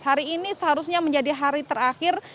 hari ini seharusnya menjadi hari terakhir